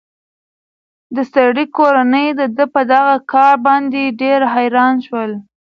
د سړي کورنۍ د ده په دغه کار باندې ډېره حیرانه شوه.